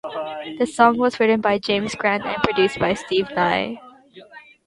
The song was written by James Grant and produced by Steve Nye.